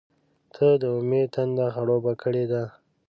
• ته د امید تنده خړوبه کړې ده.